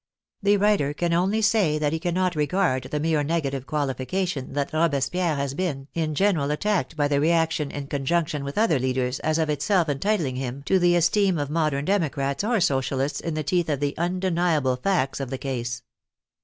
The writer can only say that he cannot regard the mere negative qualification that Robespierre has been in general at tacked by the Reaction in conjunction with other leaders as of itself entitling him to the esteem of modern Demo crats or Socialists in the teeth of the undeniable facts of the case.